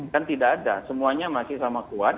kan tidak ada semuanya masih sama kuat